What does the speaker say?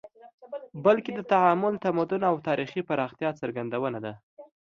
بلکې د تعامل، تمدن او تاریخي پراختیا څرګندونه ده